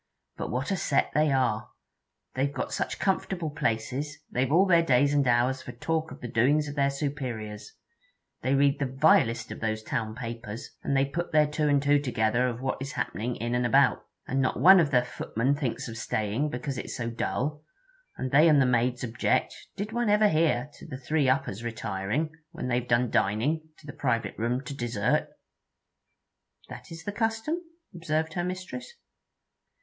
'But what a set they are! They've got such comfortable places, they've all their days and hours for talk of the doings of their superiors. They read the vilest of those town papers, and they put their two and two together of what is happening in and about. And not one of the footmen thinks of staying, because it 's so dull; and they and the maids object did one ever hear? to the three uppers retiring, when they 've done dining, to the private room to dessert.' 'That is the custom?' observed her mistress.